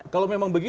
kalau memang begitu